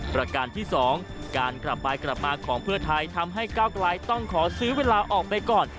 ประการที่๒การกลับไปกลับมาของเพื่อไทยทำให้ก้าวกลายต้องขอซื้อเวลาออกไปก่อน